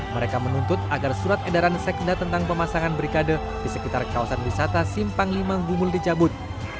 mereka menuntut agar surat edaran sekda tentang pemasangan berikade di sekitar kawasan wisata simpang lima gubul dicabut